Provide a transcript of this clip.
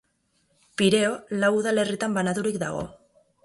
Pireo lau udalerritan banaturik dago.